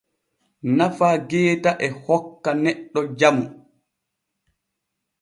Nafa geeta e hokka neɗɗo jamu.